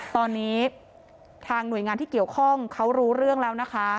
ตอนนี้ทางหน่วยงานที่เกี่ยวข้องเขารู้เรื่องแล้วนะคะ